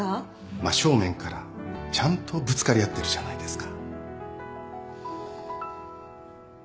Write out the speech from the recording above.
真正面からちゃんとぶつかり合ってるじゃないですか。